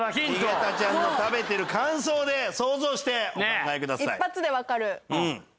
井桁ちゃんの食べてる感想で想像してお考えください。